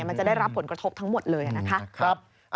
มันจะได้รับผลกระทบทั้งหมดเลยนะคะ